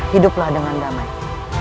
hiduplah dengan damangnya